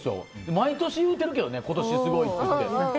毎年言うてるけどね今年すごいって。